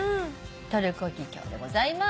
トルコギキョウでございます。